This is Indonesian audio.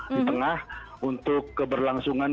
di tengah untuk keberlangsungan